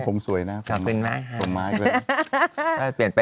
กล้ามผมสวยนะ